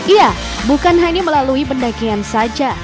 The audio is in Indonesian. iya bukan hanya melalui pendakian saja